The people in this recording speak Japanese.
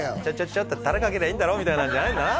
ちょっとタレかけりゃいいんだろみたいなのじゃないんだな